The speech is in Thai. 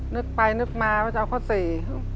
นึกไปนึกมาว่าจะเอาข้อสี่